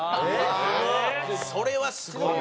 それはすごい。